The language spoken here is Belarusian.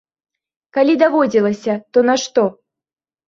Калі даводзілася, то на што?